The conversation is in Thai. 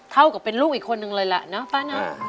เท่ากับเป็นลูกอีกคนนึงเลยล่ะนะป้านะ